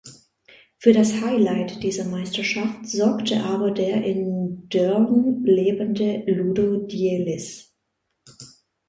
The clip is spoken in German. Für das Highlight dieser Meisterschaft sorgte aber der in Deurne lebende Ludo Dielis.